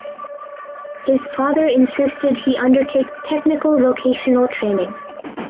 His father insisted he undertake technical vocational training.